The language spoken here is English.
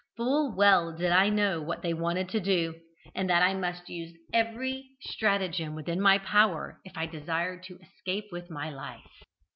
Full well did I know that they would do so, and that I must use every stratagem within my power if I desired to escape with my life.